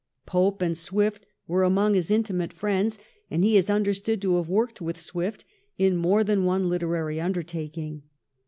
Pope and Swift were among his intimate friends, and he is understood to have worked with Swift in more than one literary undertaking.